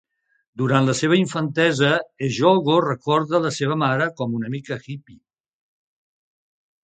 Durant la seva infantesa, Ejogo recorda la seva mare com "una mica hippy".